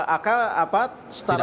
akan apa setara